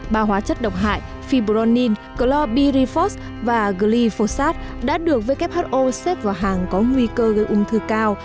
ba hóa chất độc hại fibronin cloudirifos và glyphosate đã được who xếp vào hàng có nguy cơ gây ung thư cao